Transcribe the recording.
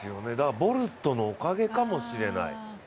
ボルトのおかげかもしれない。